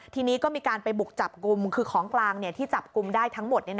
ทีนี้ก็มีการไปบุกจับกลุ่มคือของกลางที่จับกลุ่มได้ทั้งหมด